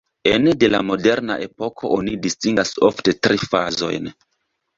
Ene de la moderna epoko oni distingas ofte tri fazojn.